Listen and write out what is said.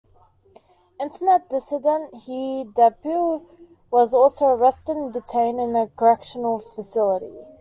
Internet dissident He Depu was also arrested and detained in a correctional facility.